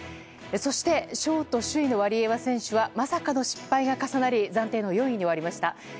そしてショート首位のワリエワ選手はまさかの失敗が重なり暫定の４位に終わりました。